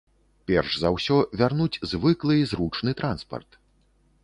Перш за ўсё, вярнуць звыклы і зручны транспарт.